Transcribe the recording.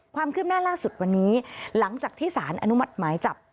ความคืบหน้าล่าสุดวันนี้หลังจากที่สารอนุมัติหมายจับ